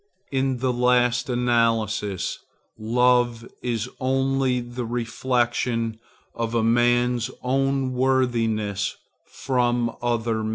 In the last analysis, love is only the reflection of a man's own worthiness from other men.